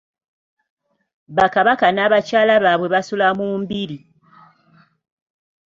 Bakabaka n'abakyala baabwe basula mu mbiri.